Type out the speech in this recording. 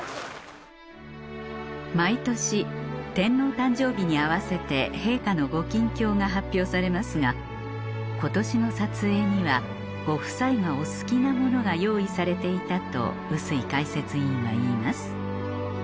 毎年天皇誕生日に合わせて陛下のご近況が発表されますが今年の撮影にはご夫妻がお好きなものが用意されていたと笛吹解説委員は言います